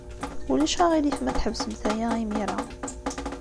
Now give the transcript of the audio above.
Ulac aɣilif ma tḥebsemt aya imir-a!